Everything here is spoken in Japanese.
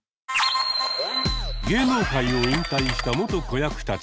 芸能界を引退した元子役たち。